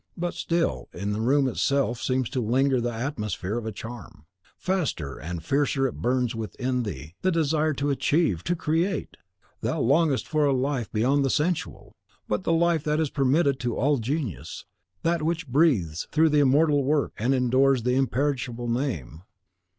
But still in the room itself seems to linger the atmosphere of a charm. Faster and fiercer it burns within thee, the desire to achieve, to create! Thou longest for a life beyond the sensual! but the life that is permitted to all genius, that which breathes through the immortal work, and endures in the imperishable name.